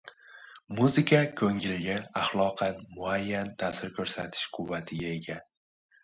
Muzika ko‘ngilga axloqan muayyan ta’sir ko‘rsatish quvvatiga ega;